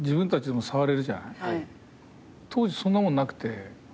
当時そんなもんなくて。